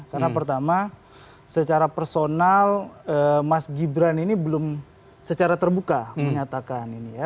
karena pertama secara personal mas gibran ini belum secara terbuka menyatakan ini ya